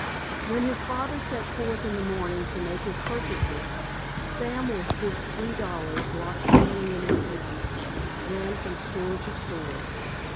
When his father set forth in the morning to make his purchases Sam, with his three dollars locked firmly in his hand, ran from store to store.